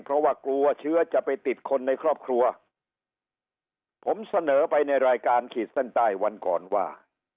เพราะว่ากลัวเชื้อจะไปติดคนในครอบครัวผมเสนอไปในรายการขีดเส้นใต้วันก่อนว่า